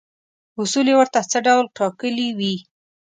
اصول یې ورته څه ډول ټاکلي وي.